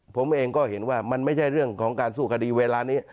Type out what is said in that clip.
ผมเองก็เห็นว่ามันไม่ใช่เรื่องของการสู้คดีเวลานี้